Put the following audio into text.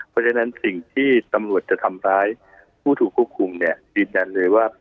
เพราะฉะนั้นสิ่งที่ตำรวจจะทำร้ายผู้ถูกควบคุมเนี่ยยืนยันเลยว่า